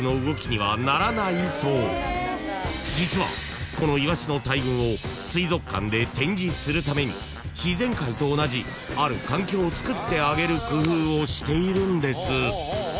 ［実はこのイワシの大群を水族館で展示するために自然界と同じある環境をつくってあげる工夫をしているんです］